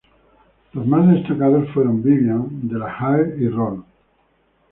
Los más destacados fueron Viviani, De la Hire y Rolle.